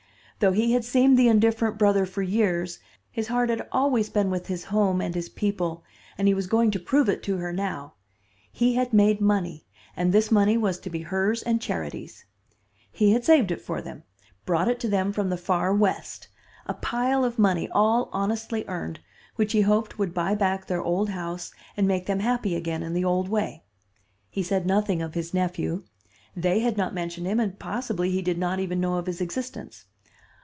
Though he had seemed the indifferent brother for years, his heart had always been with his home and his people, and he was going to prove it to her now; he had made money, and this money was to be hers and Charity's. He had saved it for them, brought it to them from the far West; a pile of money all honestly earned, which he hoped would buy back their old house and make them happy again in the old way. He said nothing of his nephew. They had not mentioned him, and possibly he did not even know of his existence.